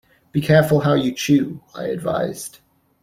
"Be careful how you chew," I advised..